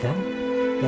kita sendiri kan